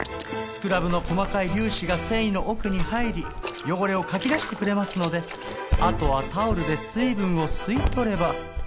スクラブの細かい粒子が繊維の奥に入り汚れをかき出してくれますのであとはタオルで水分を吸い取れば。